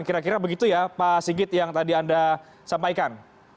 kira kira begitu ya pak sigit yang tadi anda sampaikan